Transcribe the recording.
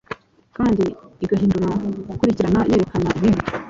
kandi igahindura gukurikirana yerekana ibindi